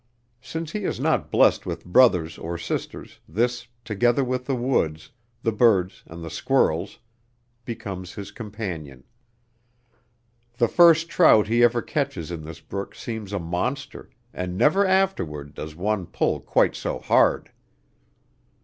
Since he is not blessed with brothers or sisters, this, together with the woods, the birds and squirrels, becomes his companion. The first trout he ever catches in this brook seems a monster and never afterward does one pull quite so hard.